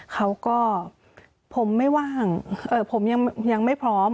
เขาก็ผมไม่ว่างผมยังไม่พร้อม